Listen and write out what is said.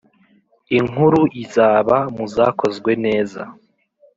inkuru iza ba mu zakozwe neza